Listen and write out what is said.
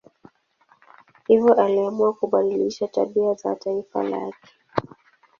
Hivyo aliamua kubadilisha tabia za taifa lake.